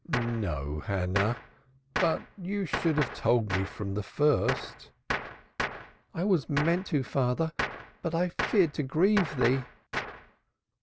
"No, Hannah. But thou shouldst have told me from the first." "I always meant to, father. But I feared to grieve thee."